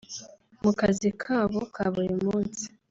mu kazi kabo ka buri munsi